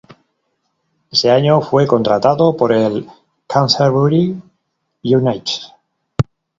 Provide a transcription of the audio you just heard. Ese año fue contratado por el Canterbury United.